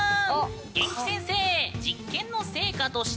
元気先生。